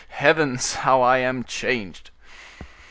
Heavens! how I am changed!"